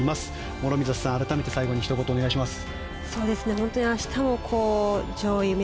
諸見里さん、改めて最後にひと言、お願いします。